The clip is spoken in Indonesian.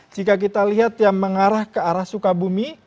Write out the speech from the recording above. jika kita lihat yang mengarah ke arah sukabumi